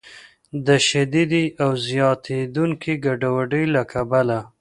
د شدیدې او زیاتیدونکې ګډوډۍ له کبله